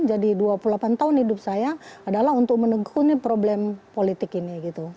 jadi dua puluh delapan tahun hidup saya adalah untuk menekuni problem politik ini gitu